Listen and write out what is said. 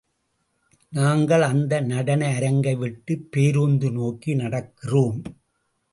நாங்கள் அந்த நடன அரங்கை விட்டுப் பேருந்து நோக்கி நடக்கிறோம்.